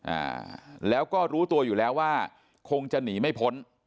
อ่าแล้วก็รู้ตัวอยู่แล้วว่าคงจะหนีไม่พ้น